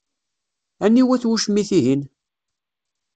Aniwa-t wucmit-ihin?